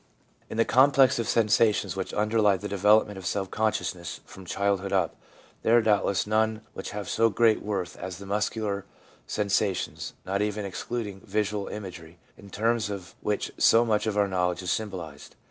266 THE PSYCHOLOGY OF RELIGION In the complex of sensations which underlie the development of self consciousness from childhood up, there are doubtless none which have so great worth as the muscular sensations, not even excluding visual imagery, in terms of which so much of our knowledge is symbolised.